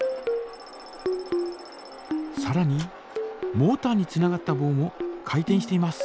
さらにモータにつながったぼうも回転しています。